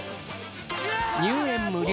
入園無料。